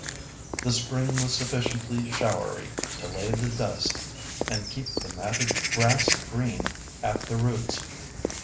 The spring was sufficiently showery to lay the dust and keep the matted grass green at the roots.